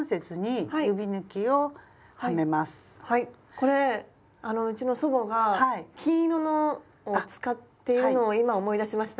これうちの祖母が金色のを使っているのを今思い出しました。